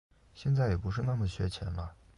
现在也不是那么缺钱了